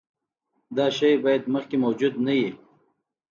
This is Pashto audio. دا شی باید مخکې موجود نه وي.